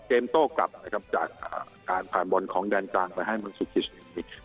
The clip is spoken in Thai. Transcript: เกมโต๊ะกลับนะครับจากการผ่านบอลของแดนจางไปให้มันสุดขีด